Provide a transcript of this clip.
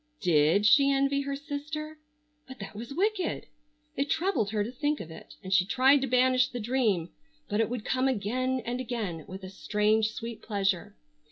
Did she envy her sister? But that was wicked. It troubled her to think of it, and she tried to banish the dream, but it would come again and again with a strange sweet pleasure.